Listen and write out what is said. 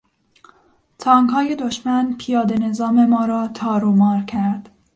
تانکهای دشمن پیاده نظام مارا تارومار کرد.